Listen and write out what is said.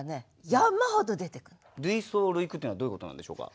類想類句っていうのはどういうことなんでしょうか。